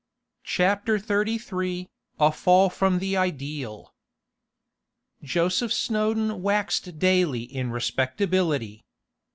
CHAPTER XXXIII A FALL FROM THE IDEAL Joseph Snowdon waxed daily in respectability.